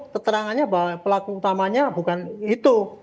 keterangannya bahwa pelaku utamanya bukan itu